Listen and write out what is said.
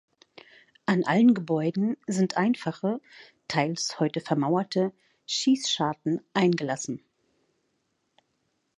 An allen Gebäuden sind einfache (teils heute vermauerte) Schießscharten eingelassen.